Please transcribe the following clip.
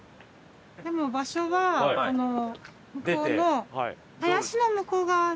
でも場所は向こうの林の向こう側。